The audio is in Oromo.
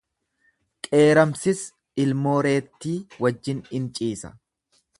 Qeeramsis ilmoo reetti wajjin in ciisa.